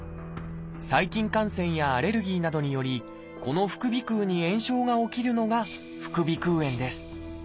細菌感染やアレルギーなどによりこの副鼻腔に炎症が起きるのが副鼻腔炎です。